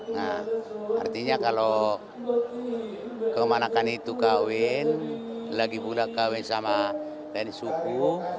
nah artinya kalau kemanakan itu kawin lagi pula kawin sama dari suku